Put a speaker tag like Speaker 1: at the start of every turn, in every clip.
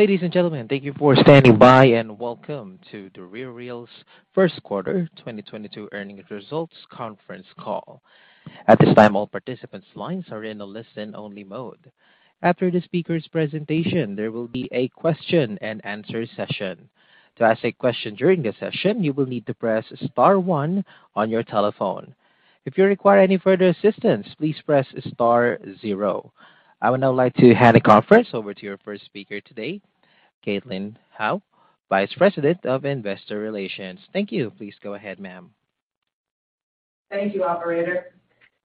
Speaker 1: Ladies and gentlemen, thank you for standing by and welcome to The RealReal's first quarter 2022 earnings results conference call. At this time, all participants' lines are in a listen-only mode. After the speaker's presentation, there will be a question-and-answer session. To ask a question during the session, you will need to press star one on your telephone. If you require any further assistance, please press star zero. I would now like to hand the conference over to your first speaker today, Caitlin Howe, Vice President of Investor Relations. Thank you. Please go ahead, ma'am.
Speaker 2: Thank you, operator.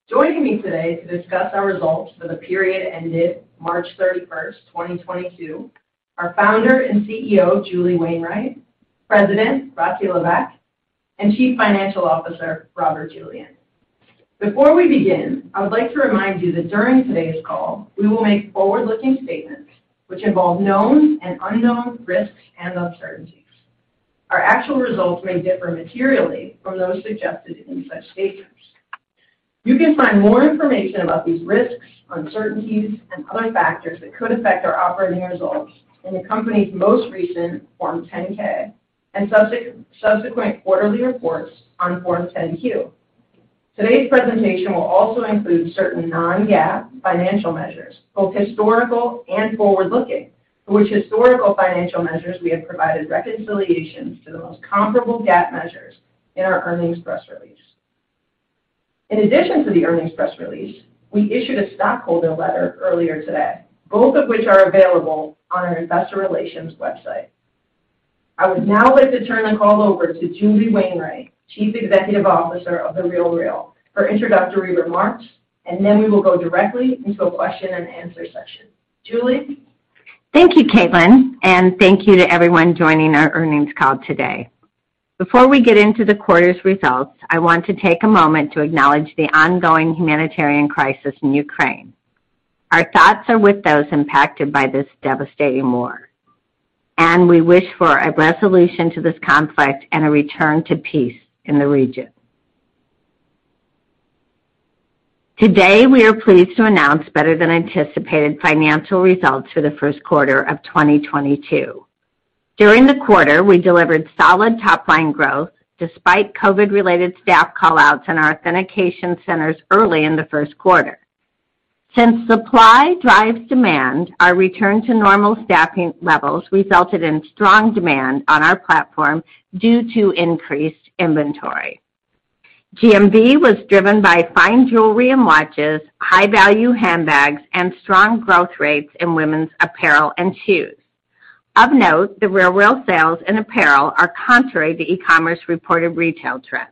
Speaker 2: Joining me today to discuss our results for the period ended March 31st, 2022, are Founder and CEO, Julie Wainwright, President, Rati Levesque, and Chief Financial Officer, Robert Julian. Before we begin, I would like to remind you that during today's call, we will make forward-looking statements which involve known and unknown risks and uncertainties. Our actual results may differ materially from those suggested in such statements. You can find more information about these risks, uncertainties, and other factors that could affect our operating results in the company's most recent Form 10-K and subsequent quarterly reports on Form 10-Q. Today's presentation will also include certain non-GAAP financial measures, both historical and forward-looking, for which historical financial measures we have provided reconciliations to the most comparable GAAP measures in our earnings press release. In addition to the earnings press release, we issued a stockholder letter earlier today, both of which are available on our investor relations website. I would now like to turn the call over to Julie Wainwright, Chief Executive Officer of The RealReal, for introductory remarks, and then we will go directly into a question-and-answer session. Julie?
Speaker 3: Thank you, Caitlin, and thank you to everyone joining our earnings call today. Before we get into the quarter's results, I want to take a moment to acknowledge the ongoing humanitarian crisis in Ukraine. Our thoughts are with those impacted by this devastating war, and we wish for a resolution to this conflict and a return to peace in the region. Today, we are pleased to announce better than anticipated financial results for the first quarter of 2022. During the quarter, we delivered solid top line growth despite COVID-related staff call-outs in our authentication centers early in the first quarter. Since supply drives demand, our return to normal staffing levels resulted in strong demand on our platform due to increased inventory. GMV was driven by fine jewelry and watches, high-value handbags, and strong growth rates in women's apparel and shoes. Of note, The RealReal sales and apparel are contrary to e-commerce reported retail trends.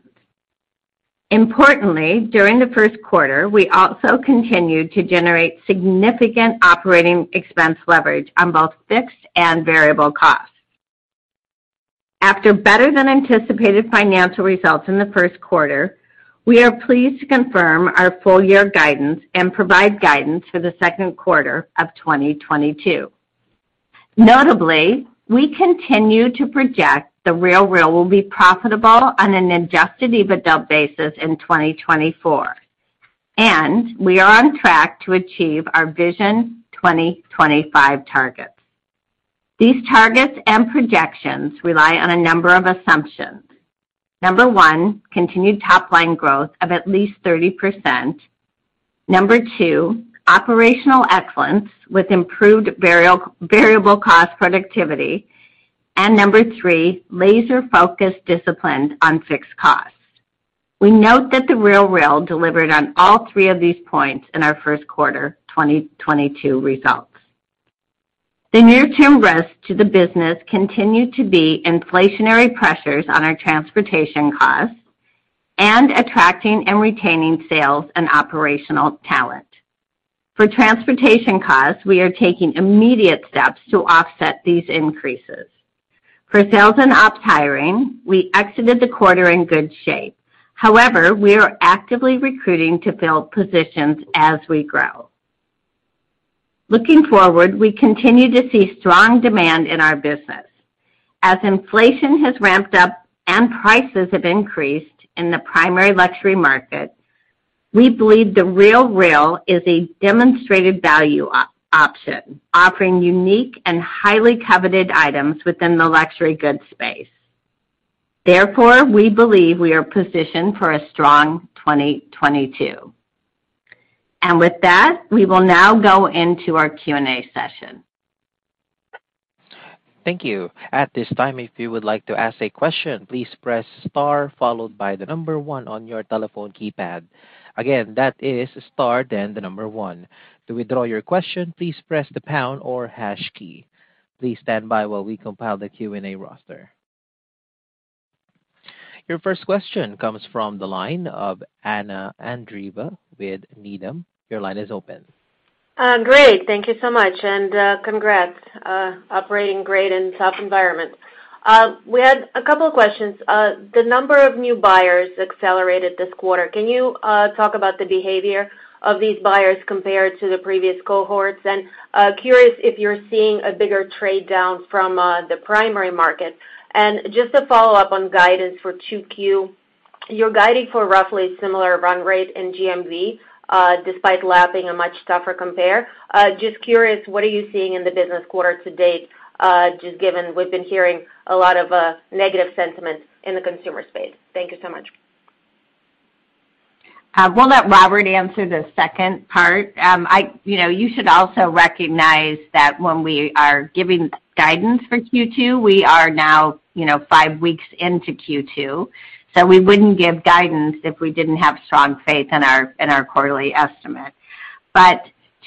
Speaker 3: Importantly, during the first quarter, we also continued to generate significant operating expense leverage on both fixed and variable costs. After better than anticipated financial results in the first quarter, we are pleased to confirm our full year guidance and provide guidance for the second quarter of 2022. Notably, we continue to project The RealReal will be profitable on an adjusted EBITDA basis in 2024, and we are on track to achieve our Vision 2025 targets. These targets and projections rely on a number of assumptions. Number one, continued top-line growth of at least 30%. Number two, operational excellence with improved variable cost productivity. Number three, laser-focused discipline on fixed costs. We note that The RealReal delivered on all three of these points in our first quarter 2022 results. The near-term risk to the business continued to be inflationary pressures on our transportation costs and attracting and retaining sales and operational talent. For transportation costs, we are taking immediate steps to offset these increases. For sales and ops hiring, we exited the quarter in good shape. However, we are actively recruiting to build positions as we grow. Looking forward, we continue to see strong demand in our business. As inflation has ramped up and prices have increased in the primary luxury market, we believe The RealReal is a demonstrated value option, offering unique and highly coveted items within the luxury goods space. Therefore, we believe we are positioned for a strong 2022. With that, we will now go into our Q&A session.
Speaker 1: Thank you. At this time, if you would like to ask a question, please press star followed by the number one on your telephone keypad. Again, that is star then the number one. To withdraw your question, please press the pound or hash key. Please stand by while we compile the Q&A roster. Your first question comes from the line of Anna Andreeva with Needham. Your line is open.
Speaker 4: Great. Thank you so much, and congrats operating great in tough environment. We had a couple of questions. The number of new buyers accelerated this quarter. Can you talk about the behavior of these buyers compared to the previous cohorts? Curious if you're seeing a bigger trade-down from the primary market. Just to follow up on guidance for 2Q. You're guiding for roughly similar run rate in GMV, despite lapping a much tougher compare. Just curious, what are you seeing in the business quarter to date, just given we've been hearing a lot of negative sentiment in the consumer space. Thank you so much.
Speaker 3: We'll let Robert answer the second part. You know, you should also recognize that when we are giving guidance for Q2, we are now, you know, five weeks into Q2, so we wouldn't give guidance if we didn't have strong faith in our, in our quarterly estimate.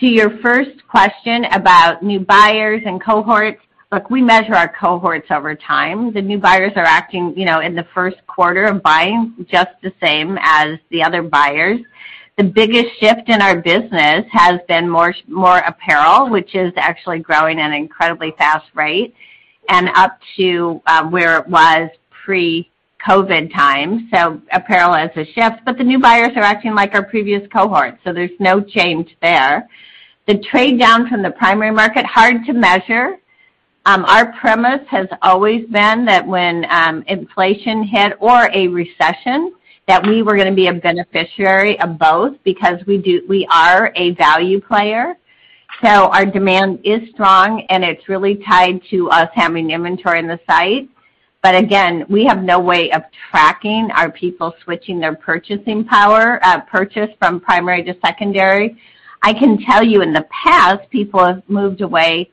Speaker 3: To your first question about new buyers and cohorts, look, we measure our cohorts over time. The new buyers are acting, you know, in the first quarter of buying just the same as the other buyers. The biggest shift in our business has been more apparel, which is actually growing at an incredibly fast rate and up to where it was pre-COVID times. Apparel has a shift, but the new buyers are acting like our previous cohorts, so there's no change there. The trade-down from the primary market, hard to measure. Our premise has always been that when inflation hit or a recession, that we were gonna be a beneficiary of both because we are a value player. Our demand is strong, and it's really tied to us having inventory on the site. But again, we have no way of tracking our people switching their purchasing power, purchase from primary to secondary. I can tell you in the past, people have moved away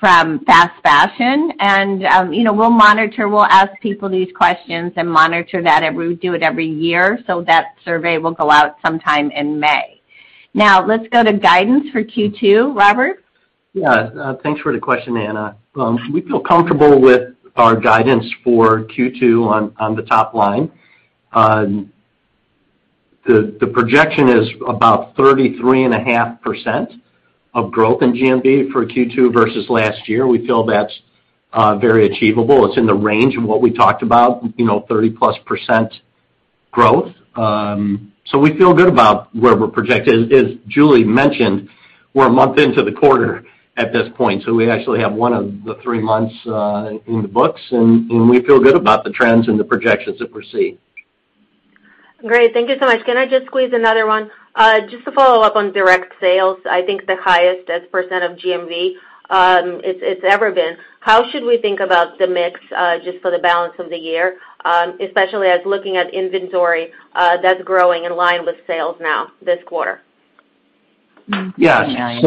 Speaker 3: from fast fashion and, you know, we'll monitor, we'll ask people these questions and monitor that, and we do it every year, so that survey will go out sometime in May. Now, let's go to guidance for Q2. Robert?
Speaker 5: Yeah. Thanks for the question, Anna. We feel comfortable with our guidance for Q2 on the top line. The projection is about 33.5% growth in GMV for Q2 versus last year. We feel that's very achievable. It's in the range of what we talked about, you know, 30%+ growth. So we feel good about where we're projected. As Julie mentioned, we're a month into the quarter at this point, so we actually have one of the three months in the books, and we feel good about the trends and the projections that we're seeing.
Speaker 4: Great. Thank you so much. Can I just squeeze another one? Just to follow up on direct sales, I think the highest as percent of GMV, it's ever been. How should we think about the mix, just for the balance of the year, especially as looking at inventory, that's growing in line with sales now this quarter?
Speaker 5: Yeah.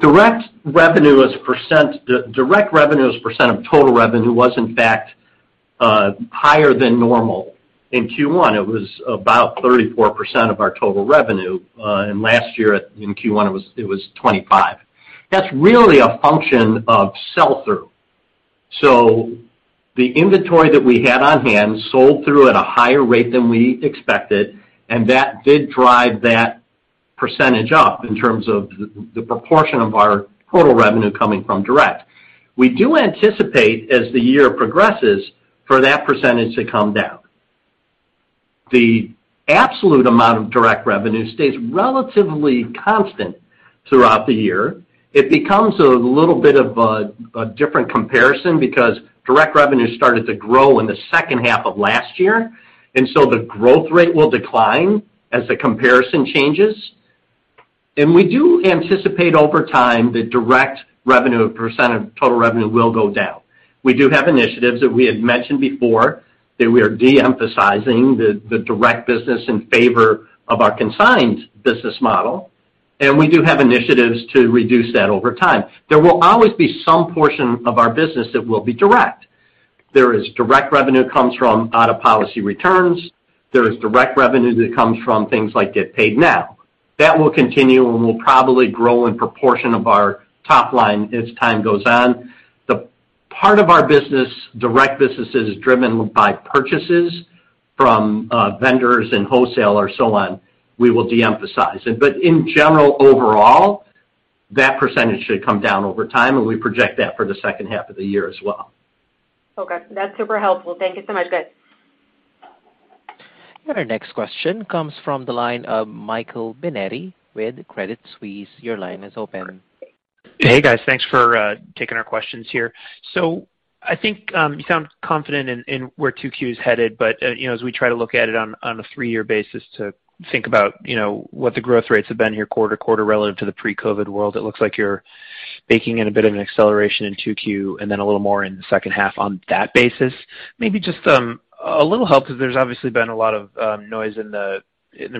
Speaker 5: Direct revenue as percent of total revenue was, in fact, higher than normal. In Q1, it was about 34% of our total revenue. Last year in Q1, it was 25%. That's really a function of sell-through. The inventory that we had on hand sold through at a higher rate than we expected, and that did drive that percentage up in terms of the proportion of our total revenue coming from direct. We do anticipate, as the year progresses, for that percentage to come down. The absolute amount of direct revenue stays relatively constant throughout the year. It becomes a little bit of a different comparison because direct revenue started to grow in the second half of last year, and so the growth rate will decline as the comparison changes. We do anticipate over time that direct revenue percent of total revenue will go down. We do have initiatives that we had mentioned before, that we are de-emphasizing the direct business in favor of our consigned business model, and we do have initiatives to reduce that over time. There will always be some portion of our business that will be direct. There is direct revenue comes from out-of-policy returns. There is direct revenue that comes from things like Get Paid Now. That will continue and will probably grow in proportion of our top line as time goes on. The part of our business, direct business, that is driven by purchases from vendors and wholesale or so on, we will de-emphasize it. In general, overall, that percentage should come down over time, and we project that for the second half of the year as well.
Speaker 4: Okay. That's super helpful. Thank you so much. Good.
Speaker 1: Our next question comes from the line of Michael Binetti with Credit Suisse. Your line is open.
Speaker 6: Hey, guys. Thanks for taking our questions here. I think you sound confident in where 2Q is headed, but you know, as we try to look at it on a three-year basis to think about, you know, what the growth rates have been here quarter to quarter relative to the pre-COVID world, it looks like you're baking in a bit of an acceleration in 2Q and then a little more in the second half on that basis. Maybe just a little help because there's obviously been a lot of noise in the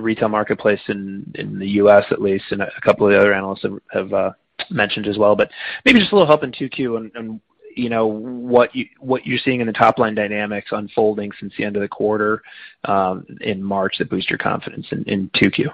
Speaker 6: retail marketplace in the U.S. at least, and a couple of the other analysts have mentioned as well. Maybe just a little help in 2Q and you know what you're seeing in the top-line dynamics unfolding since the end of the quarter in March that boost your confidence in 2Q?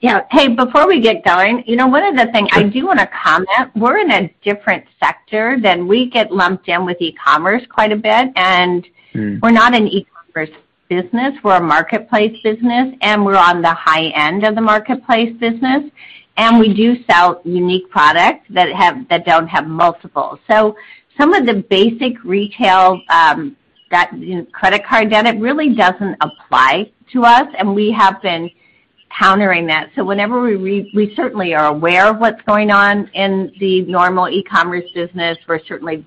Speaker 3: Yeah. Hey, before we get going, you know, one of the things I do wanna comment. We're in a different sector, and we get lumped in with e-commerce quite a bit.
Speaker 6: Mm.
Speaker 3: We're not an e-commerce business. We're a marketplace business, and we're on the high end of the marketplace business. We do sell unique products that don't have multiples. Some of the basic retail, you know, credit card debt, it really doesn't apply to us, and we have been countering that. Whenever we certainly are aware of what's going on in the normal e-commerce business. We're certainly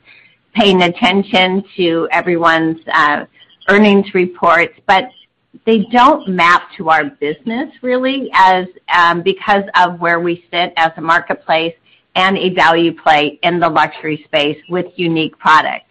Speaker 3: paying attention to everyone's earnings reports, but they don't map to our business really as because of where we sit as a marketplace and a value play in the luxury space with unique product.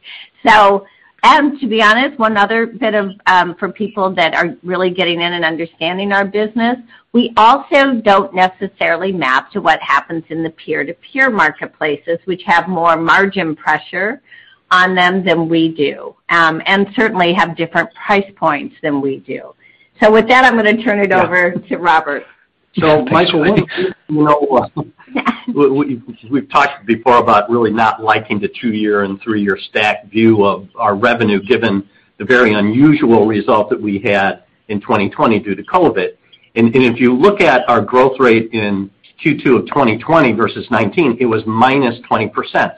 Speaker 3: To be honest, one other bit of, for people that are really getting in and understanding our business, we also don't necessarily map to what happens in the peer-to-peer marketplaces, which have more margin pressure on them than we do, and certainly have different price points than we do. With that, I'm gonna turn it over to Robert.
Speaker 5: Michael, you know, we've talked before about really not liking the two-year and three-year stack view of our revenue, given the very unusual result that we had in 2020 due to COVID. If you look at our growth rate in Q2 of 2020 versus 2019, it was minus 20%.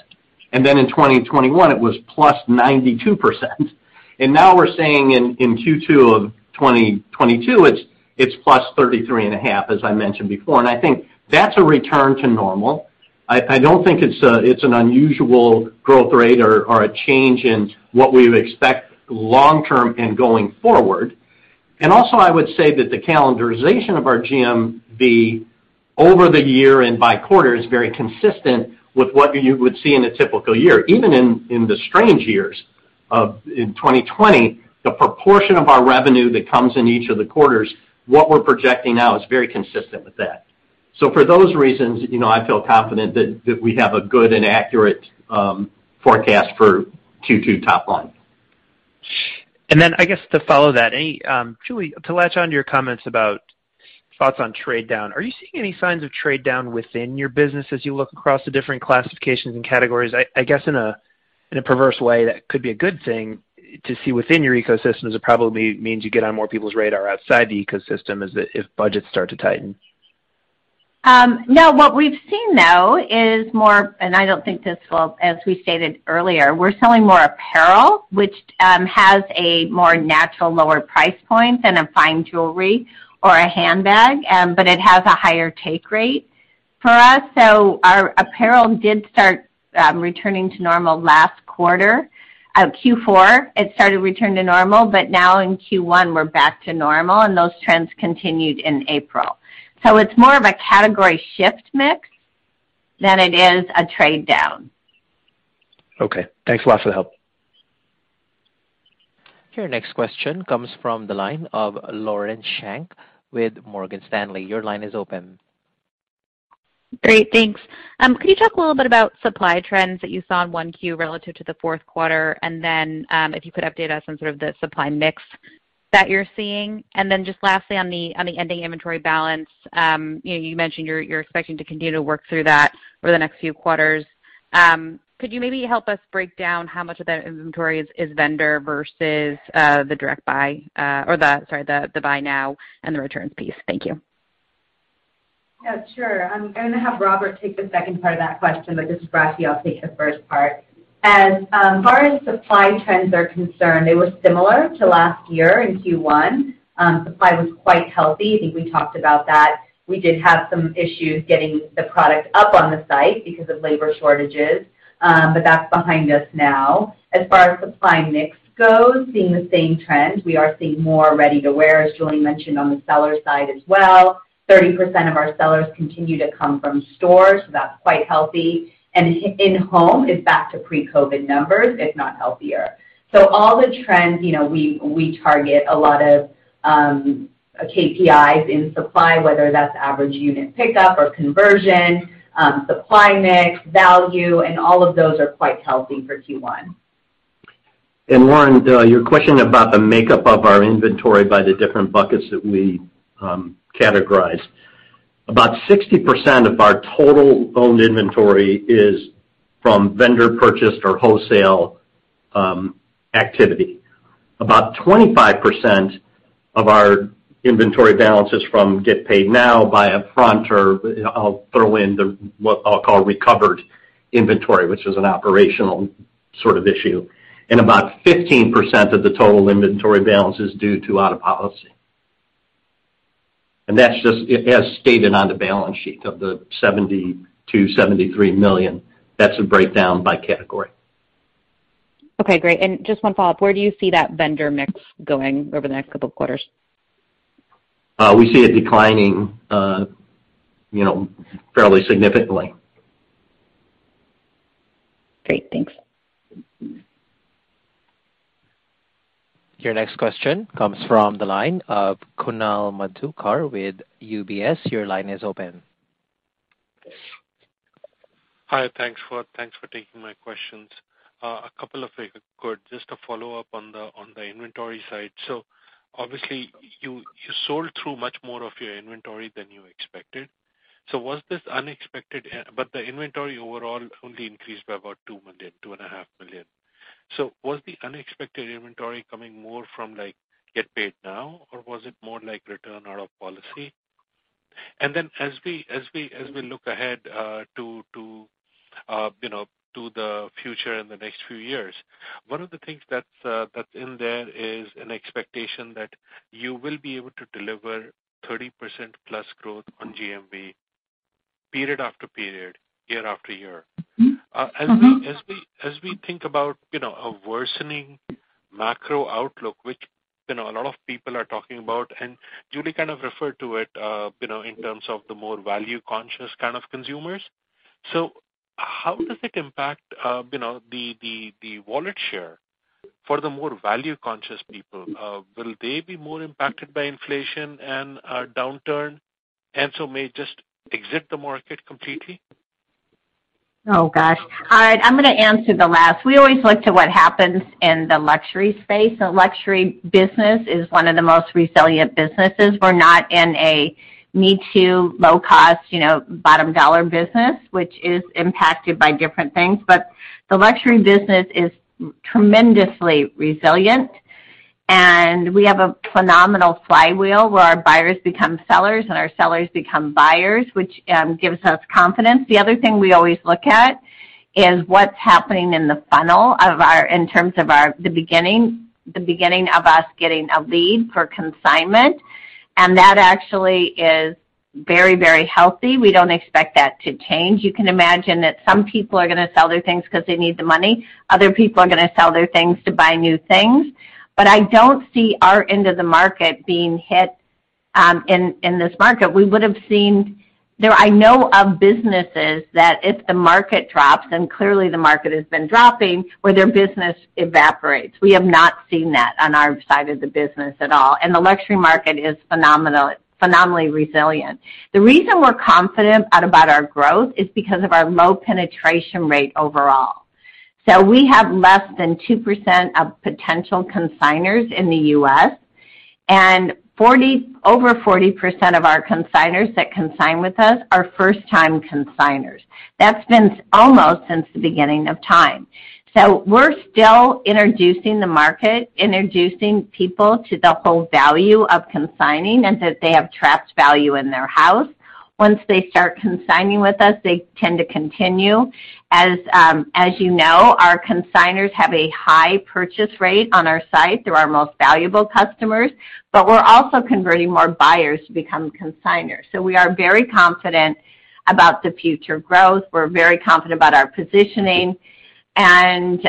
Speaker 5: Then in 2021, it was +92%. Now we're saying in Q2 of 2022, it's plus 33.5%, as I mentioned before. I think that's a return to normal. I don't think it's an unusual growth rate or a change in what we would expect long term and going forward. Also, I would say that the calendarization of our GMV over the year and by quarter is very consistent with what you would see in a typical year. Even in the strange years of 2020, the proportion of our revenue that comes in each of the quarters what we're projecting now is very consistent with that. For those reasons, you know, I feel confident that we have a good and accurate forecast for Q2 top line.
Speaker 6: I guess to follow that, Julie, to latch on to your comments about thoughts on trade down, are you seeing any signs of trade down within your business as you look across the different classifications and categories? I guess in a perverse way, that could be a good thing to see within your ecosystem as it probably means you get on more people's radar outside the ecosystem if budgets start to tighten.
Speaker 3: No. What we've seen, though, is more, and I don't think this will, as we stated earlier, we're selling more apparel, which has a more natural lower price point than a fine jewelry or a handbag, but it has a higher take rate for us. Our apparel did start returning to normal last quarter. Q4, it started to return to normal, but now in Q1, we're back to normal, and those trends continued in April. It's more of a category shift mix than it is a trade down.
Speaker 6: Okay. Thanks a lot for the help.
Speaker 1: Your next question comes from the line of Lauren Schenk with Morgan Stanley. Your line is open.
Speaker 7: Great. Thanks. Could you talk a little bit about supply trends that you saw in 1Q relative to the fourth quarter? If you could update us on sort of the supply mix that you're seeing. Just lastly, on the ending inventory balance, you know, you mentioned you're expecting to continue to work through that over the next few quarters. Could you maybe help us break down how much of that inventory is vendor versus the buy now and the returns piece? Thank you.
Speaker 3: Yeah, sure. I'm gonna have Robert take the second part of that question, but just briefly, I'll take the first part. As far as supply trends are concerned, they were similar to last year in Q1. Supply was quite healthy. I think we talked about that. We did have some issues getting the product up on the site because of labor shortages, but that's behind us now. As far as supply mix goes, seeing the same trend, we are seeing more ready-to-wear, as Julie mentioned, on the seller side as well. 30% of our sellers continue to come from stores, so that's quite healthy. In home is back to pre-COVID numbers, if not healthier. All the trends, you know, we target a lot of KPIs in supply, whether that's average unit pickup or conversion, supply mix, value, and all of those are quite healthy for Q1.
Speaker 5: Lauren, your question about the makeup of our inventory by the different buckets that we categorize. About 60% of our total owned inventory is from vendor purchased or wholesale activity. About 25% of our inventory balance is from Get Paid Now, buy up front, or I'll throw in the, what I'll call recovered inventory, which is an operational sort of issue. About 15% of the total inventory balance is due to out of policy. That's just as stated on the balance sheet of the $72-73 million. That's a breakdown by category.
Speaker 7: Okay, great. Just one follow-up. Where do you see that vendor mix going over the next couple of quarters?
Speaker 5: We see it declining, you know, fairly significantly.
Speaker 7: Great. Thanks.
Speaker 1: Your next question comes from the line of Kunal Madhukar with UBS. Your line is open.
Speaker 8: Hi. Thanks for taking my questions. A couple of just a follow-up on the inventory side. Obviously, you sold through much more of your inventory than you expected. Was this unexpected in- but the inventory overall only increased by about $2 million, $2.5 million. Was the unexpected inventory coming more from like Get Paid Now, or was it more like return out of policy? As we look ahead to you know to the future in the next few years, one of the things that's in there is an expectation that you will be able to deliver +30% growth on GMV period after period, year after year.
Speaker 3: Mm-hmm. Mm-hmm.
Speaker 8: As we think about, you know, a worsening macro outlook, which, you know, a lot of people are talking about, and Julie kind of referred to it, you know, in terms of the more value-conscious kind of consumers. How does it impact, you know, the wallet share for the more value-conscious people? Will they be more impacted by inflation and a downturn and so may just exit the market completely?
Speaker 3: Oh, gosh. All right, I'm gonna answer the last. We always look to what happens in the luxury space. The luxury business is one of the most resilient businesses. We're not in a me-too, low cost, you know, bottom dollar business, which is impacted by different things. The luxury business is tremendously resilient, and we have a phenomenal flywheel where our buyers become sellers and our sellers become buyers, which gives us confidence. The other thing we always look at is what's happening in the funnel in terms of the beginning of us getting a lead for consignment, and that actually is very, very healthy. We don't expect that to change. You can imagine that some people are gonna sell their things because they need the money. Other people are gonna sell their things to buy new things. I don't see our end of the market being hit in this market. We would have seen. I know of businesses that if the market drops, and clearly the market has been dropping, where their business evaporates. We have not seen that on our side of the business at all, and the luxury market is phenomenally resilient. The reason we're confident about our growth is because of our low penetration rate overall. We have less than 2% of potential consignors in the U.S., and over 40% of our consignors that consign with us are first-time consignors. That's been almost since the beginning of time. We're still introducing the market, introducing people to the whole value of consigning, and that they have trapped value in their house. Once they start consigning with us, they tend to continue. As you know, our consignors have a high purchase rate on our site. They're our most valuable customers, but we're also converting more buyers to become consignors. We are very confident about the future growth. We're very confident about our positioning. With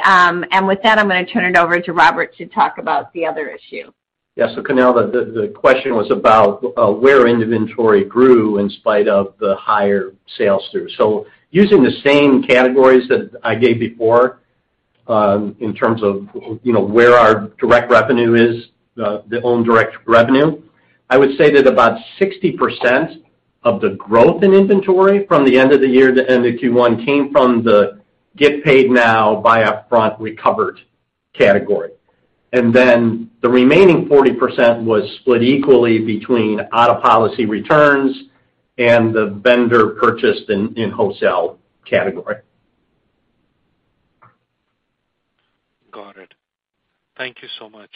Speaker 3: that, I'm gonna turn it over to Robert to talk about the other issue.
Speaker 5: Yeah, Kunal, the question was about where inventory grew in spite of the higher sales through. Using the same categories that I gave before, in terms of, you know, where our direct revenue is, our own direct revenue, I would say that about 60% of the growth in inventory from the end of the year to end of Q1 came from the Get Paid Now by upfront recovered category. And then the remaining 40% was split equally between out-of-policy returns and the vendor purchased in wholesale category.
Speaker 8: Got it. Thank you so much.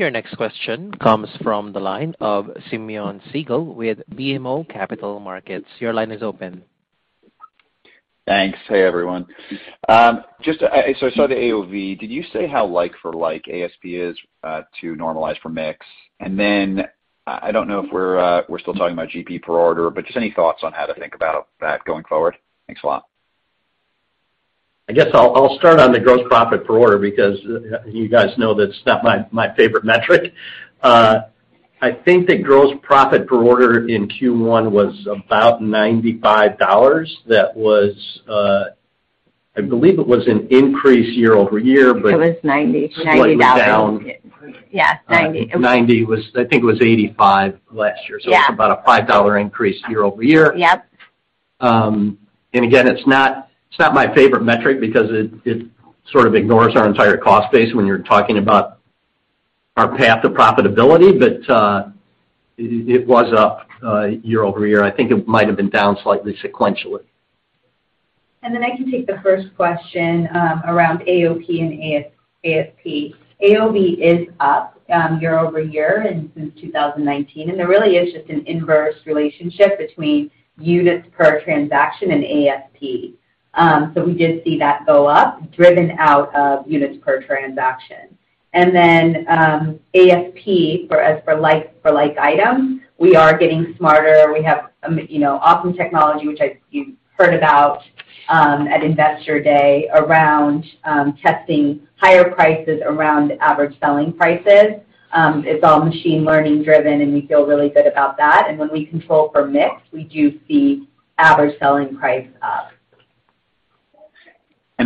Speaker 1: Your next question comes from the line of Simeon Siegel with BMO Capital Markets. Your line is open.
Speaker 9: Thanks. Hey, everyone. Just, so I saw the AOV. Did you say how like for like ASP is, to normalize for mix? I don't know if we're still talking about GP per order, but just any thoughts on how to think about that going forward. Thanks a lot.
Speaker 5: I guess I'll start on the gross profit per order because you guys know that it's not my favorite metric. I think the gross profit per order in Q1 was about $95. That was, I believe it was an increase year-over-year, but
Speaker 3: It was $90. $90.
Speaker 5: Slightly down.
Speaker 3: Yeah, 90$.
Speaker 5: 90$. I think it was 85$ last year.
Speaker 3: Yeah.
Speaker 5: It's about a $5 increase year-over-year.
Speaker 3: Yep.
Speaker 5: Again, it's not my favorite metric because it sort of ignores our entire cost base when you're talking about our path to profitability. It was up year over year. I think it might have been down slightly sequentially.
Speaker 3: I can take the first question around AOP and ASP. AOV is up year over year and since 2019, and there really is just an inverse relationship between units per transaction and ASP. So we did see that go up, driven out of units per transaction. ASP, for like-for-like items, we are getting smarter. We have you know awesome technology, which you've heard about at Investor Day, around testing higher prices around average selling prices. It's all machine learning driven, and we feel really good about that. When we control for mix, we do see average selling price up.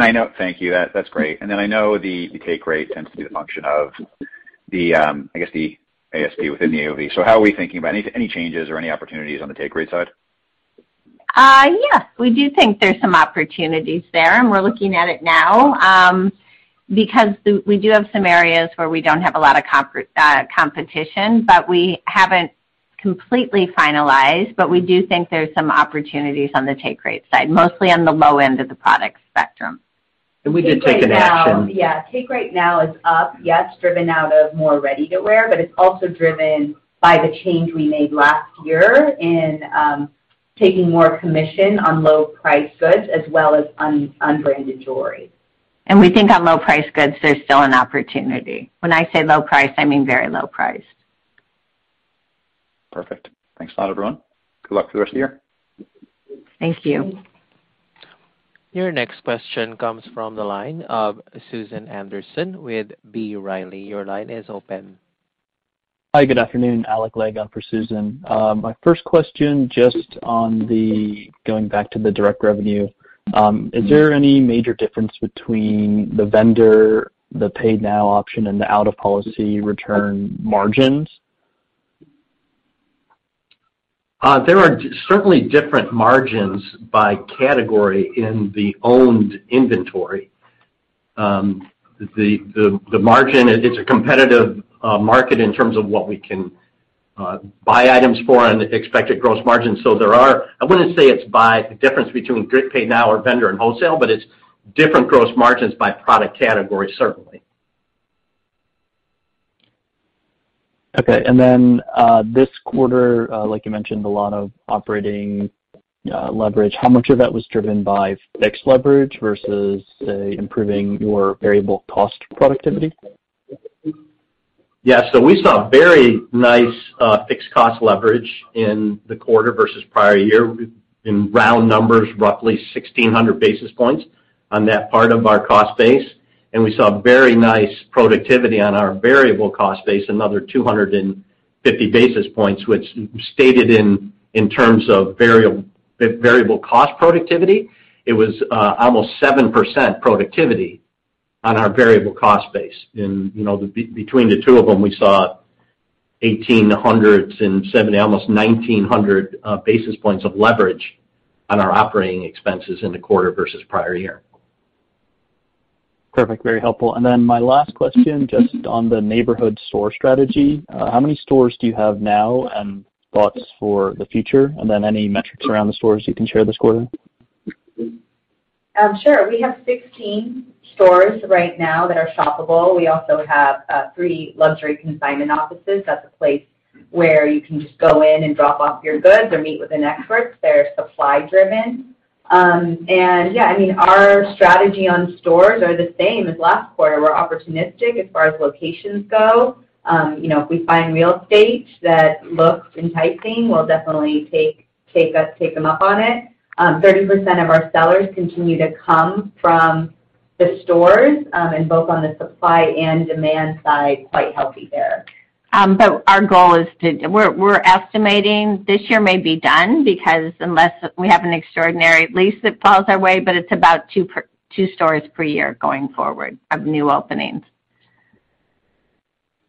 Speaker 9: I know. Thank you. That's great. I know the take rate tends to be the function of the, I guess, the ASP within the AOV. How are we thinking about any changes or any opportunities on the take rate side?
Speaker 3: Yeah, we do think there's some opportunities there, and we're looking at it now, because we do have some areas where we don't have a lot of competition, but we haven't completely finalized. We do think there's some opportunities on the take rate side, mostly on the low end of the product spectrum.
Speaker 5: We did take an action.
Speaker 10: Yeah. Take rate now is up, yes, driven out of more ready-to-wear, but it's also driven by the change we made last year in taking more commission on low price goods as well as unbranded jewelry.
Speaker 5: We think on low price goods, there's still an opportunity. When I say low price, I mean very low price.
Speaker 9: Perfect. Thanks a lot, everyone. Good luck for the rest of the year.
Speaker 5: Thank you.
Speaker 1: Your next question comes from the line of Susan Anderson with B. Riley. Your line is open.
Speaker 11: Hi, good afternoon. Alec Legg for Susan. My first question just on going back to the direct revenue. Is there any major difference between the vendor, the Get Paid Now, and the out-of-policy return margins?
Speaker 5: There are certainly different margins by category in the owned inventory. The margin, it's a competitive market in terms of what we can buy items for and expected gross margins. I wouldn't say it's a big difference between Get Paid Now or vendor and wholesale, but it's different gross margins by product category, certainly.
Speaker 11: Okay. This quarter, like you mentioned, a lot of operating leverage. How much of that was driven by fixed leverage versus, say, improving your variable cost productivity?
Speaker 5: Yeah. We saw very nice fixed cost leverage in the quarter versus prior year. In round numbers, roughly 1,600 basis points on that part of our cost base. We saw very nice productivity on our variable cost base, another 250 basis points, which stated in terms of variable cost productivity. It was almost 7% productivity on our variable cost base. Between the two of them, we saw 1,870, almost 1,900 basis points of leverage on our operating expenses in the quarter versus prior year.
Speaker 11: Perfect. Very helpful. My last question, just on the neighborhood store strategy, how many stores do you have now and thoughts for the future? Any metrics around the stores you can share this quarter?
Speaker 10: Sure. We have 16 stores right now that are shoppable. We also have three luxury consignment offices. That's a place where you can just go in and drop off your goods or meet with an expert. They're supply-driven. Yeah, I mean, our strategy on stores are the same as last quarter. We're opportunistic as far as locations go. You know, if we find real estate that looks enticing, we'll definitely take them up on it. 30% of our sellers continue to come from the stores, and both on the supply and demand side, quite healthy there. Our goal is to. We're estimating this year may be done because unless we have an extraordinary lease that falls our way, but it's about two stores per year going forward of new openings.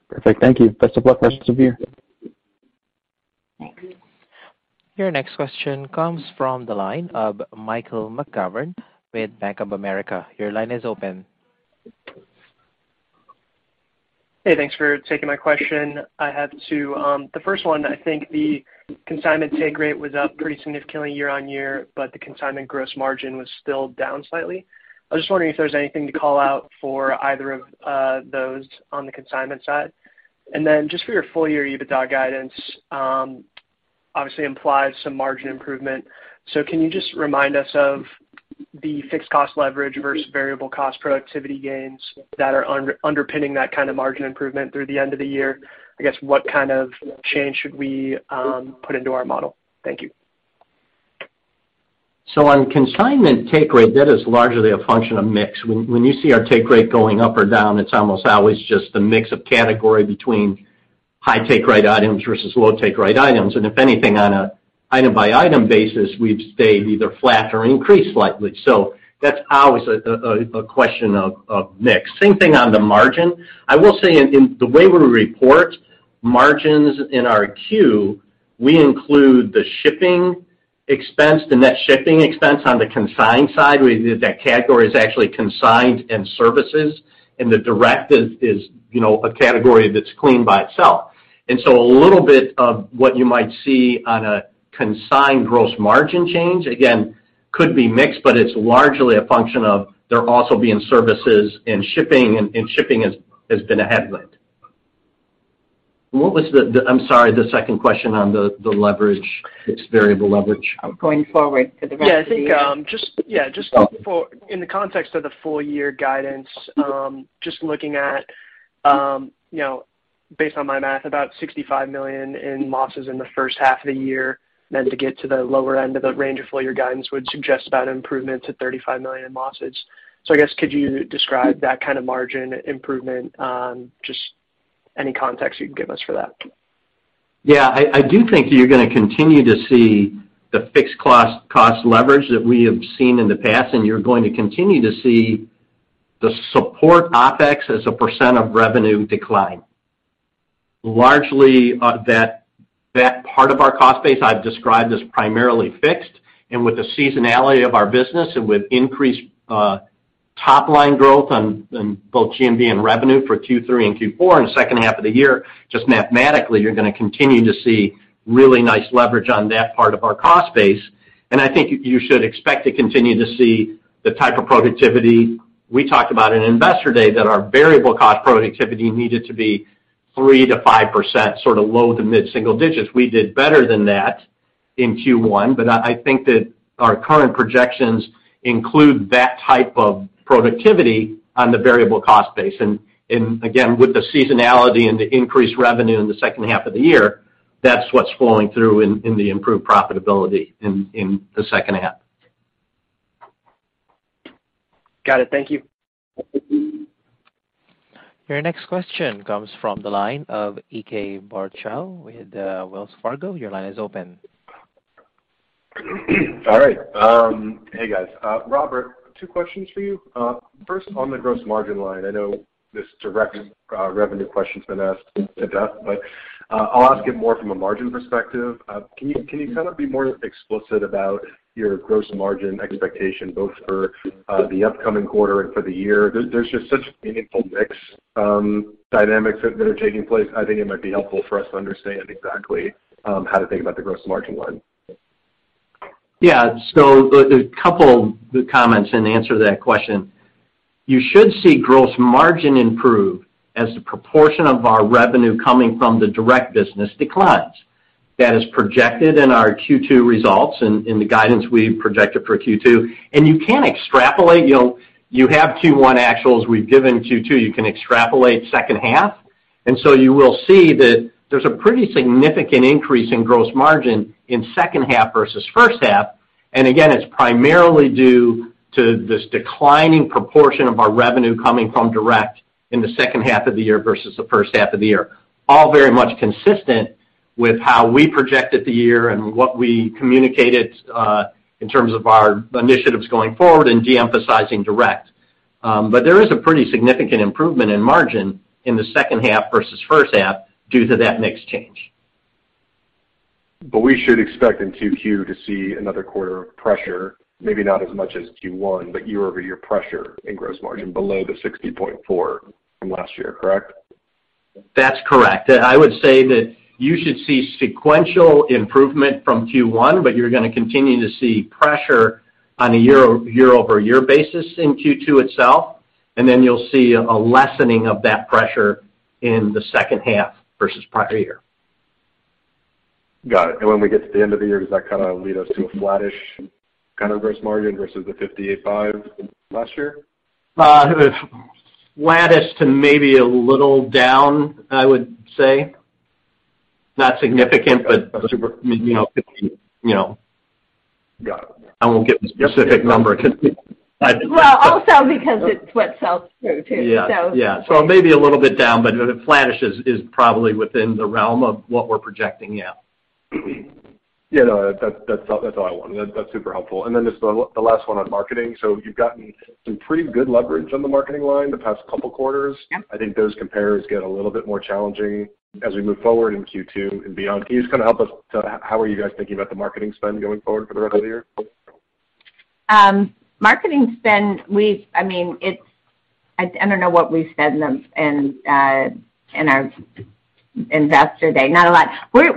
Speaker 11: Perfect. Thank you. Best of luck for rest of the year.
Speaker 10: Thanks.
Speaker 1: Your next question comes from the line of Michael McGovern with Bank of America. Your line is open.
Speaker 12: Hey, thanks for taking my question. I have two. The first one, I think the consignment take rate was up pretty significantly year-over-year, but the consignment gross margin was still down slightly. I was just wondering if there's anything to call out for either of those on the consignment side. Just for your full year EBITDA guidance, obviously implies some margin improvement. Can you just remind us of the fixed cost leverage versus variable cost productivity gains that are underpinning that kind of margin improvement through the end of the year? I guess, what kind of change should we put into our model? Thank you.
Speaker 5: On consignment take rate, that is largely a function of mix. When you see our take rate going up or down, it's almost always just a mix of category between high take rate items versus low take rate items. If anything, on a item-by-item basis, we've stayed either flat or increased slightly. That's always a question of mix. Same thing on the margin. I will say in the way we report margins in our Q, we include the shipping expense, the net shipping expense on the consigned side. That category is actually consigned and services, and the direct is, you know, a category that's clean by itself. A little bit of what you might see on a consigned gross margin change, again, could be mix, but it's largely a function of there also being services and shipping, and shipping has been a headwind. What was the... I'm sorry, the second question on the leverage, fixed variable leverage.
Speaker 10: Going forward for the rest of the year.
Speaker 12: Yeah, I think, just in the context of the full-year guidance, just looking at, you know, based on my math, about $65 million in losses in the first half of the year, then to get to the lower end of the range of full-year guidance would suggest about improvement to $35 million in losses. I guess, could you describe that kind of margin improvement? Just any context you'd give us for that?
Speaker 5: Yeah. I do think you're gonna continue to see the fixed cost leverage that we have seen in the past, and you're going to continue to see the SG&A OpEx as a percent of revenue decline. Largely, that part of our cost base I've described as primarily fixed, and with the seasonality of our business and with increased top line growth in both GMV and revenue for Q3 and Q4 in the second half of the year, just mathematically, you're gonna continue to see really nice leverage on that part of our cost base. I think you should expect to continue to see the type of productivity we talked about in Investor Day, that our variable cost productivity needed to be 3%-5%, sort of low to mid-single digits. We did better than that in Q1, but I think that our current projections include that type of productivity on the variable cost base. Again, with the seasonality and the increased revenue in the second half of the year, that's what's flowing through in the improved profitability in the second half.
Speaker 12: Got it. Thank you.
Speaker 1: Your next question comes from the line of Ike Boruchow with Wells Fargo. Your line is open.
Speaker 13: All right. Hey, guys. Robert, two questions for you. First, on the gross margin line, I know this direct revenue question's been asked to death, but I'll ask it more from a margin perspective. Can you kind of be more explicit about your gross margin expectation, both for the upcoming quarter and for the year? There's just such meaningful mix dynamics that are taking place. I think it might be helpful for us to understand exactly how to think about the gross margin line.
Speaker 5: Yeah. A couple comments in answer to that question. You should see gross margin improve as the proportion of our revenue coming from the direct business declines. That is projected in our Q2 results and in the guidance we projected for Q2. You can extrapolate, you know, you have Q1 actuals, we've given Q2, you can extrapolate second half. You will see that there's a pretty significant increase in gross margin in second half versus first half. Again, it's primarily due to this declining proportion of our revenue coming from direct in the second half of the year versus the first half of the year, all very much consistent with how we projected the year and what we communicated in terms of our initiatives going forward and de-emphasizing direct. There is a pretty significant improvement in margin in the second half versus first half due to that mix change.
Speaker 13: We should expect in Q2 to see another quarter of pressure, maybe not as much as Q1, but year-over-year pressure in gross margin below the 60.4% from last year, correct?
Speaker 5: That's correct. I would say that you should see sequential improvement from Q1, but you're gonna continue to see pressure on a year-over-year basis in Q2 itself, and then you'll see a lessening of that pressure in the second half versus prior year.
Speaker 13: Got it. When we get to the end of the year, does that kinda lead us to a flattish kind of gross margin versus the 58.5% from last year?
Speaker 5: Flattish to maybe a little down, I would say. Not significant, but super, you know, could be, you know.
Speaker 13: Got it.
Speaker 5: I won't give a specific number 'cause I-
Speaker 3: Well, also because it's what sells through too, so.
Speaker 5: Yeah. Maybe a little bit down, but flattish is probably within the realm of what we're projecting, yeah.
Speaker 13: Yeah, no. That's all I wanted. That's super helpful. Then just the last one on marketing. You've gotten some pretty good leverage on the marketing line the past couple quarters.
Speaker 3: Yep.
Speaker 13: I think those compares get a little bit more challenging as we move forward in Q2 and beyond. Can you just kinda help us to how are you guys thinking about the marketing spend going forward for the rest of the year?
Speaker 3: Marketing spend, I mean, it's. I don't know what we said in our Investor Day. Not a lot.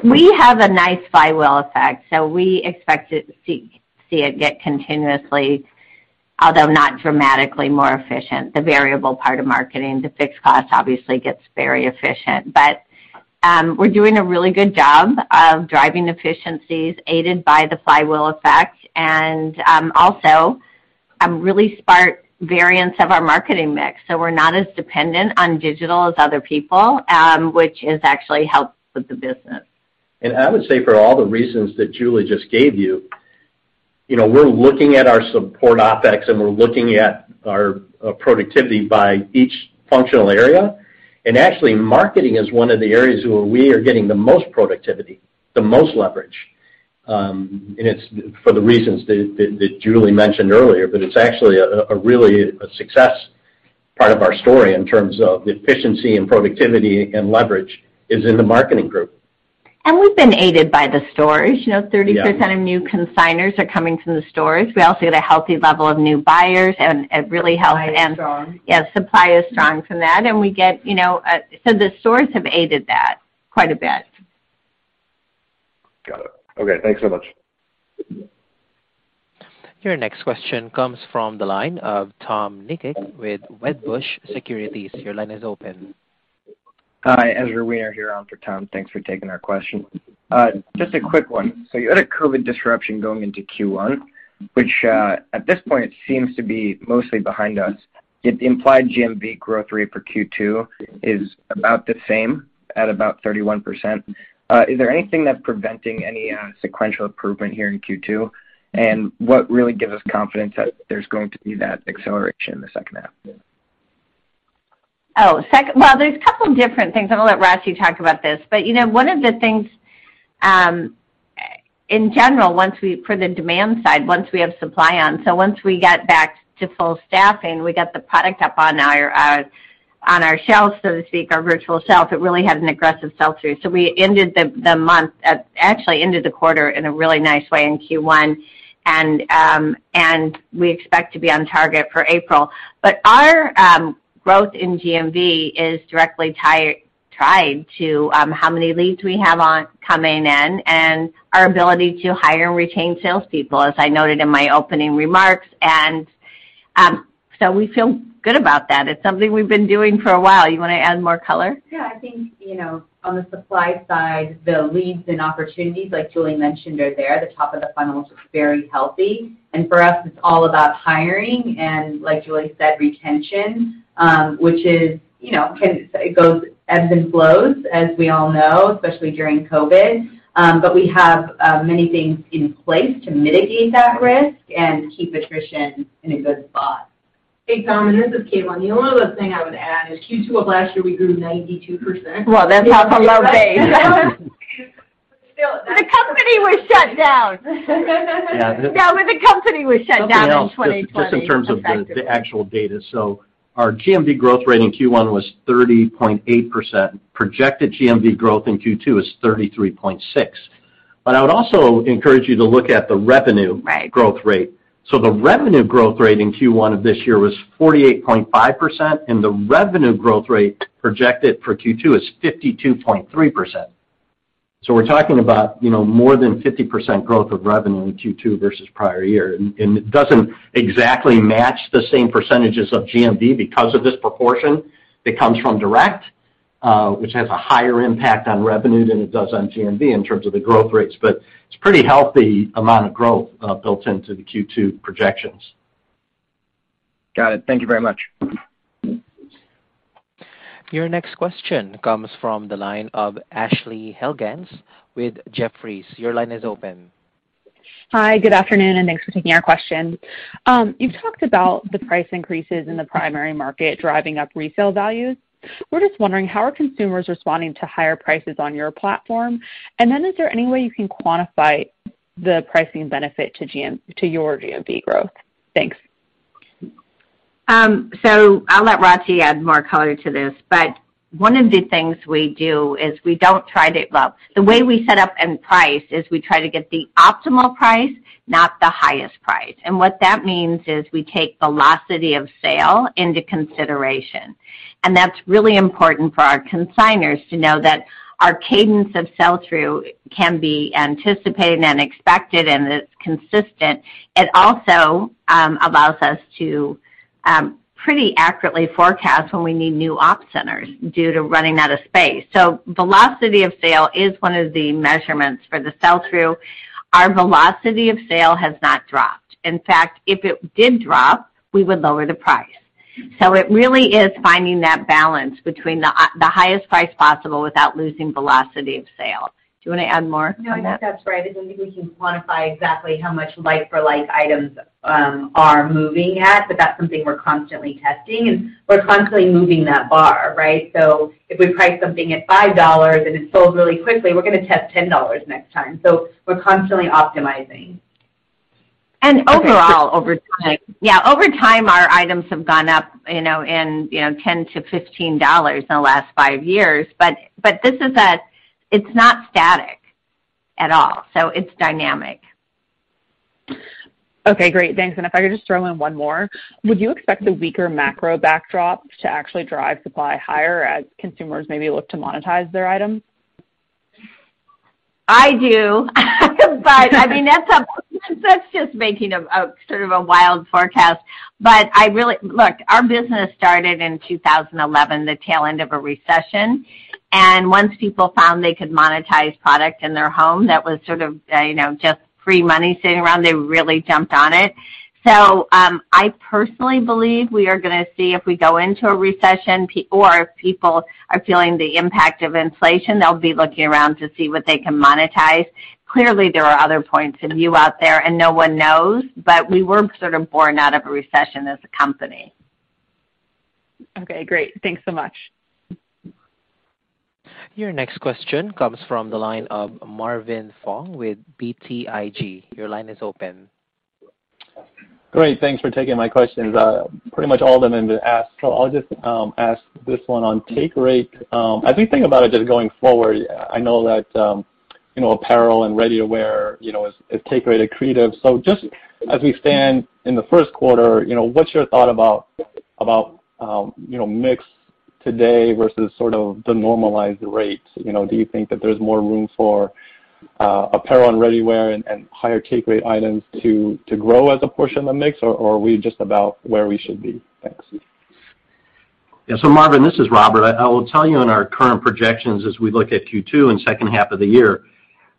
Speaker 3: We have a nice flywheel effect, so we expect to see it get continuously, although not dramatically, more efficient, the variable part of marketing. The fixed cost obviously gets very efficient. We're doing a really good job of driving efficiencies aided by the flywheel effect, and also really smart variation of our marketing mix. We're not as dependent on digital as other people, which has actually helped with the business.
Speaker 5: I would say for all the reasons that Julie just gave you know, we're looking at our support OpEx, and we're looking at our productivity by each functional area. Actually, marketing is one of the areas where we are getting the most productivity, the most leverage, and it's for the reasons that Julie mentioned earlier. It's actually really a success part of our story in terms of the efficiency and productivity and leverage is in the marketing group.
Speaker 3: We've been aided by the stores. You know, 30%.
Speaker 5: Yeah.
Speaker 3: Of new consignors are coming from the stores. We also get a healthy level of new buyers and it really helps.
Speaker 5: Supply is strong.
Speaker 3: Yeah, supply is strong from that, and we get, you know, so the stores have aided that quite a bit.
Speaker 13: Got it. Okay, thanks so much.
Speaker 1: Your next question comes from the line of Tom Nikic with Wedbush Securities. Your line is open.
Speaker 14: Hi, Ezra Wiener here on for Tom. Thanks for taking our question. Just a quick one. You had a COVID disruption going into Q1, which at this point seems to be mostly behind us. The implied GMV growth rate for Q2 is about the same, at about 31%. Is there anything that's preventing any sequential improvement here in Q2? What really gives us confidence that there's going to be that acceleration in the second half?
Speaker 3: Well, there's a couple different things, and I'll let Rati talk about this. You know, one of the things, in general, for the demand side, once we have supply on, so once we got back to full staffing, we got the product up on our shelves, so to speak, our virtual shelves, it really had an aggressive sell-through. We actually ended the quarter in a really nice way in Q1, and we expect to be on target for April. Our growth in GMV is directly tied to how many leads we have coming in and our ability to hire and retain salespeople, as I noted in my opening remarks. We feel good about that. It's something we've been doing for a while. You wanna add more color?
Speaker 10: Yeah. I think, you know, on the supply side, the leads and opportunities, like Julie mentioned, are there. The top of the funnel looks very healthy. For us, it's all about hiring and, like Julie said, retention, which, you know, ebbs and flows as we all know, especially during COVID. We have many things in place to mitigate that risk and keep attrition in a good spot.
Speaker 2: Hey, Tom, and this is Caitlin. The only other thing I would add is Q2 of last year, we grew 92%.
Speaker 3: Well, that's how come we're okay.
Speaker 10: Still.
Speaker 3: The company was shut down.
Speaker 5: Yeah.
Speaker 3: No, the company was shut down in 2020.
Speaker 5: Just in terms of the actual data. Our GMV growth rate in Q1 was 30.8%. Projected GMV growth in Q2 is 33.6%. I would also encourage you to look at the revenue.
Speaker 3: Right
Speaker 5: Growth rate. The revenue growth rate in Q1 of this year was 48.5%, and the revenue growth rate projected for Q2 is 52.3%. We're talking about, you know, more than 50% growth of revenue in Q2 versus prior year. It doesn't exactly match the same percentages of GMV because of this proportion that comes from direct, which has a higher impact on revenue than it does on GMV in terms of the growth rates. It's pretty healthy amount of growth built into the Q2 projections.
Speaker 2: Got it. Thank you very much.
Speaker 1: Your next question comes from the line of Ashley Helgans with Jefferies. Your line is open.
Speaker 15: Hi, good afternoon, and thanks for taking our question. You've talked about the price increases in the primary market driving up resale values. We're just wondering, how are consumers responding to higher prices on your platform? Is there any way you can quantify the pricing benefit to your GMV growth? Thanks.
Speaker 3: I'll let Rati add more color to this, but one of the things we do is well, the way we set up and price is we try to get the optimal price, not the highest price. What that means is we take velocity of sale into consideration. That's really important for our consignors to know that our cadence of sell-through can be anticipated and expected, and it's consistent. It also allows us to pretty accurately forecast when we need new ops centers due to running out of space. Velocity of sale is one of the measurements for the sell-through. Our velocity of sale has not dropped. In fact, if it did drop, we would lower the price. It really is finding that balance between the highest price possible without losing velocity of sale. Do you wanna add more to that?
Speaker 10: No, I think that's right. I don't think we can quantify exactly how much like-for-like items are moving at, but that's something we're constantly testing, and we're constantly moving that bar, right? If we price something at $5 and it's sold really quickly, we're gonna test $10 next time. We're constantly optimizing.
Speaker 3: Overall, over time. Yeah, over time, our items have gone up, you know, in, you know, $10-15 in the last five years, but this is a. It's not static at all, so it's dynamic.
Speaker 15: Okay, great. Thanks. If I could just throw in one more. Would you expect the weaker macro backdrop to actually drive supply higher as consumers maybe look to monetize their items?
Speaker 3: I do. I mean, that's just making a sort of wild forecast. I really look, our business started in 2011, the tail end of a recession, and once people found they could monetize product in their home, that was sort of, you know, just free money sitting around, they really jumped on it. I personally believe we are gonna see if we go into a recession or if people are feeling the impact of inflation, they'll be looking around to see what they can monetize. Clearly, there are other points of view out there, and no one knows, but we were sort of born out of a recession as a company.
Speaker 15: Okay, great. Thanks so much.
Speaker 1: Your next question comes from the line of Marvin Fong with BTIG. Your line is open.
Speaker 16: Great. Thanks for taking my questions. Pretty much all of them have been asked, so I'll just ask this one on take rate. As we think about it just going forward, I know that you know, apparel and ready-to-wear you know, is take rate accretive. Just as we stand in the first quarter, you know, what's your thought about about you know, mix today versus sort of the normalized rates? You know, do you think that there's more room for apparel and ready-to-wear and higher take rate items to grow as a portion of the mix, or are we just about where we should be? Thanks.
Speaker 5: Yeah. Marvin Fong, this is Robert Julian. I will tell you on our current projections, as we look at Q2 and second half of the year,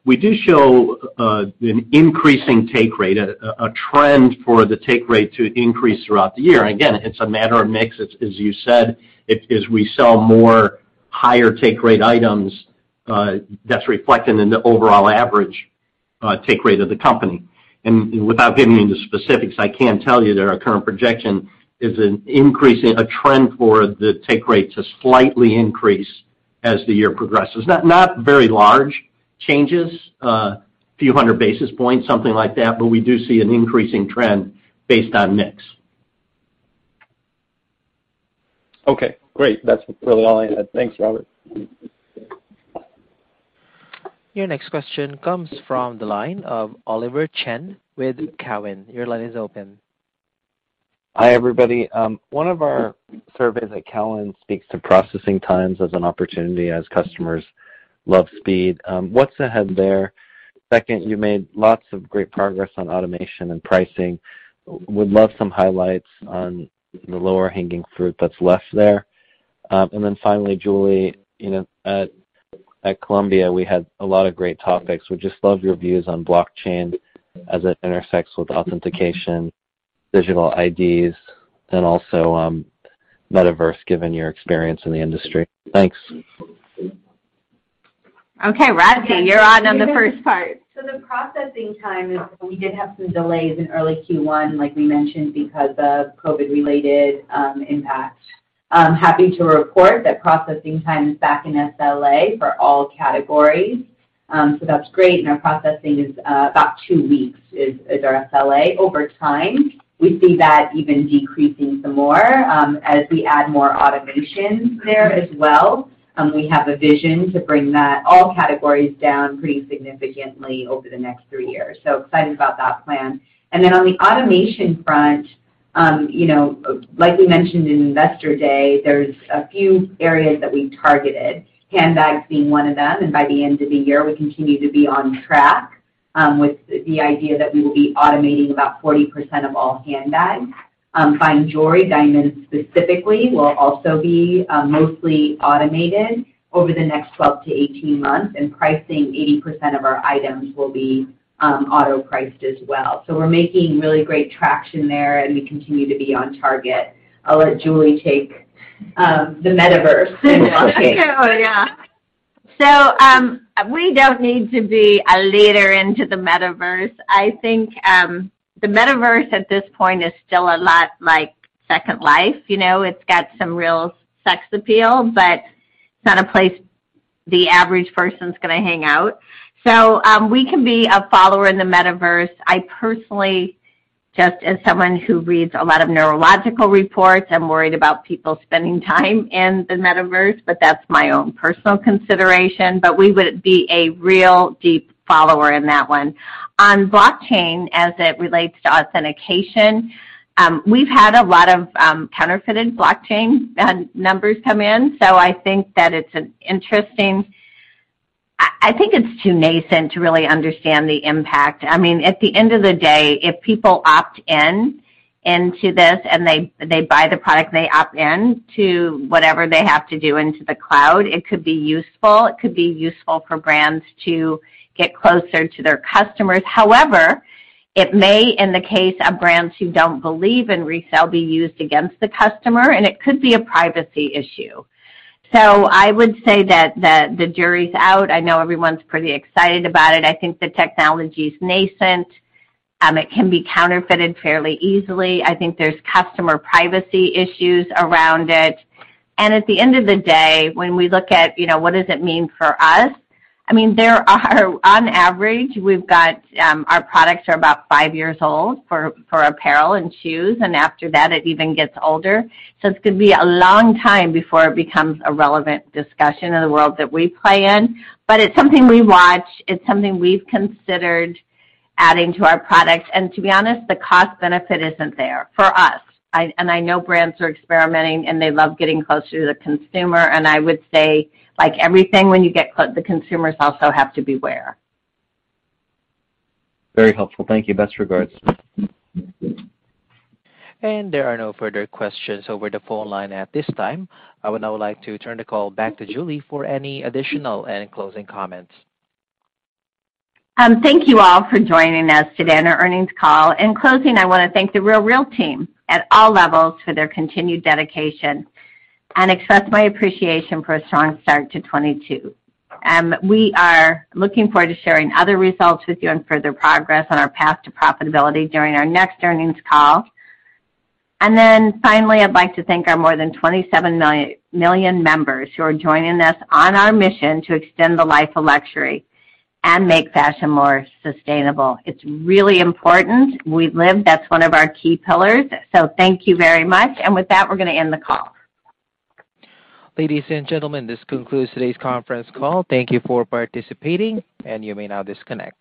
Speaker 5: we do show an increasing take rate, a trend for the take rate to increase throughout the year. Again, it's a matter of mix. It's as you said, it is we sell more higher take rate items, that's reflected in the overall average take rate of the company. Without getting into specifics, I can tell you that our current projection is an increase in a trend for the take rate to slightly increase as the year progresses. Not very large changes, a few hundred basis points, something like that, but we do see an increasing trend based on mix.
Speaker 16: Okay, great. That's really all I had. Thanks, Robert.
Speaker 1: Your next question comes from the line of Oliver Chen with Cowen. Your line is open.
Speaker 17: Hi, everybody. One of our surveys at Cowen speaks to processing times as an opportunity as customers love speed. What's ahead there? Second, you made lots of great progress on automation and pricing. Would love some highlights on the low-hanging fruit that's left there. Finally, Julie, you know, at Columbia, we had a lot of great topics. Would just love your views on blockchain as it intersects with authentication, digital IDs, and also, metaverse, given your experience in the industry. Thanks.
Speaker 3: Okay. Rati Levesque, you're on the first part.
Speaker 10: The processing time, we did have some delays in early Q1, like we mentioned because of COVID-related impact. I'm happy to report that processing time is back in SLA for all categories. That's great, and our processing is about two weeks, our SLA. Over time, we see that even decreasing some more, as we add more automation there as well. We have a vision to bring that all categories down pretty significantly over the next three years. Excited about that plan. On the automation front, you know, like we mentioned in Investor Day, there's a few areas that we targeted, handbags being one of them. By the end of the year, we continue to be on track with the idea that we will be automating about 40% of all handbags. Fine jewelry, diamonds specifically, will also be mostly automated over the next 12-18 months, and pricing 80% of our items will be auto-priced as well. We're making really great traction there, and we continue to be on target. I'll let Julie take the metaverse.
Speaker 3: I can. Yeah. We don't need to be a leader into the metaverse. I think the metaverse at this point is still a lot like Second Life. You know, it's got some real sex appeal, but it's not a place the average person's gonna hang out. We can be a follower in the metaverse. I personally, just as someone who reads a lot of neurological reports, I'm worried about people spending time in the metaverse, but that's my own personal consideration. We wouldn't be a real deep follower in that one. On blockchain, as it relates to authentication, we've had a lot of counterfeited blockchain numbers come in, so I think it's too nascent to really understand the impact. I mean, at the end of the day, if people opt in to this, and they buy the product, they opt in to whatever they have to do into the cloud, it could be useful. It could be useful for brands to get closer to their customers. However, it may, in the case of brands who don't believe in resale, be used against the customer, and it could be a privacy issue. I would say that the jury's out. I know everyone's pretty excited about it. I think the technology's nascent. It can be counterfeited fairly easily. I think there's customer privacy issues around it. At the end of the day, when we look at, you know, what does it mean for us? I mean, there are, on average, we've got our products are about five years old for apparel and shoes, and after that it even gets older. It's gonna be a long time before it becomes a relevant discussion in the world that we play in. It's something we watch. It's something we've considered adding to our product. To be honest, the cost benefit isn't there for us. I know brands are experimenting, and they love getting closer to the consumer. I would say, like everything, the consumers also have to beware.
Speaker 17: Very helpful. Thank you. Best regards.
Speaker 1: There are no further questions over the phone line at this time. I would now like to turn the call back to Julie for any additional and closing comments.
Speaker 3: Thank you all for joining us today on our earnings call. In closing, I wanna thank The RealReal team at all levels for their continued dedication and express my appreciation for a strong start to 2022. We are looking forward to sharing other results with you and further progress on our path to profitability during our next earnings call. Finally, I'd like to thank our more than 27 million members who are joining us on our mission to extend the life of luxury and make fashion more sustainable. It's really important. We live. That's one of our key pillars. Thank you very much. With that, we're gonna end the call.
Speaker 1: Ladies and gentlemen, this concludes today's conference call. Thank you for participating, and you may now disconnect.